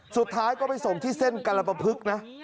สุดท้ายก็ไปส่งที่เส้นกรปภึกนะ